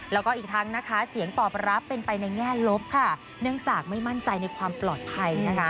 แล้วก็อีกทั้งนะคะเสียงตอบรับเป็นไปในแง่ลบค่ะเนื่องจากไม่มั่นใจในความปลอดภัยนะคะ